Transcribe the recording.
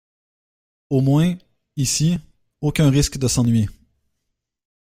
Au moins, ici, aucun risque de s’ennuyer!